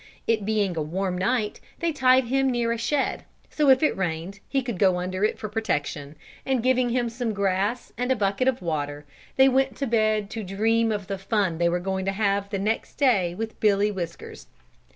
It being a warm night, they tied him near a shed, so if it rained he could go under it for protection, and giving him some grass and a bucket of water, they went to bed to dream of the fun they were going to have the next day with Billy Whiskers.